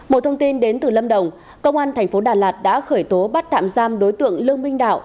một thông tin đến từ lâm đồng công an thành phố đà lạt đã khởi tố bắt tạm giam đối tượng lương minh đạo